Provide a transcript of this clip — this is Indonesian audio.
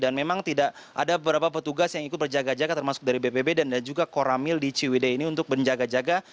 dan memang tidak ada beberapa petugas yang ikut berjaga jaga termasuk dari bpp dan juga koramil di ciwide ini untuk berjaga jaga